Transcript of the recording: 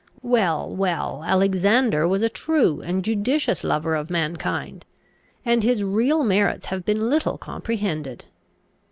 Well, well, Alexander was a true and judicious lover of mankind, and his real merits have been little comprehended."